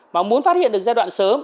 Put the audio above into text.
mà muốn phát hiện được giai đoạn sớm